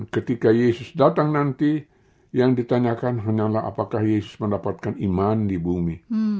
ketika yesus datang nanti yang ditanyakan hanyalah apakah yesus mendapatkan iman di bumi